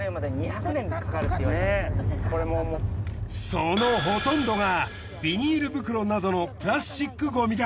そのほとんどがビニール袋などのプラスチックごみだ。